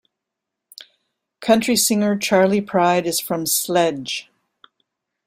Country singer Charley Pride is from Sledge.